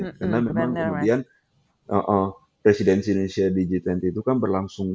karena memang kemudian presidensi indonesia di g dua puluh itu kan berlangsung